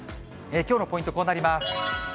きょうのポイント、こうなります。